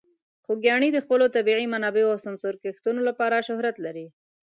خوږیاڼي د خپلو طبیعي منابعو او سمسور کښتونو لپاره شهرت لري.